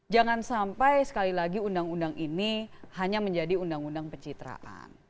jangan sampai sekali lagi undang undang ini hanya menjadi undang undang pencitraan